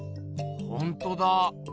ほんとだ。